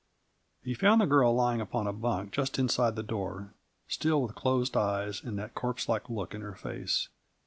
He found the girl lying upon a bunk just inside the door, still with closed eyes and that corpse like look in her face.